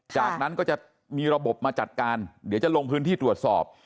จากนั้นก็จะมีระบบมาจัดการเดี๋ยวจะลงพื้นที่ตรวจสอบ